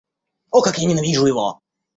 О, как я ненавижу его!